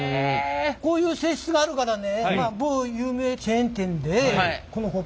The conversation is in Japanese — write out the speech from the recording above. こういう性質があるからね